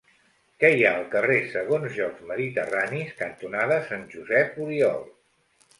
Què hi ha al carrer Segons Jocs Mediterranis cantonada Sant Josep Oriol?